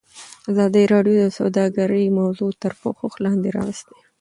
ازادي راډیو د سوداګري موضوع تر پوښښ لاندې راوستې.